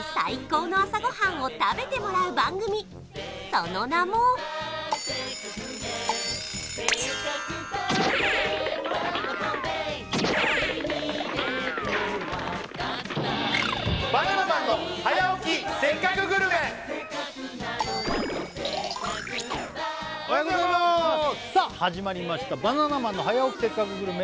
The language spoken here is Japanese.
その名もおはようございますさあ始まりました「バナナマンの早起きせっかくグルメ！！」